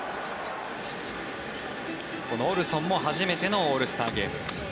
このオルソンも初めてのオールスターゲーム。